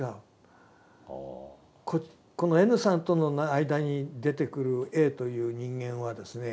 このＮさんとの間に出てくるＡという人間はですね